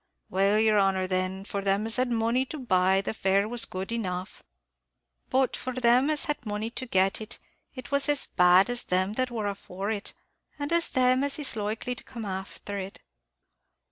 "Well, yer honor, then, for them as had money to buy, the fair was good enough; but for them as had money to get, it was as bad as them that wor afore it, and as them as is likely to come afther it."